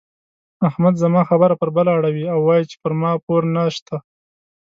احمد زما خبره پر بله اړوي او وايي چې پر ما پور نه شته.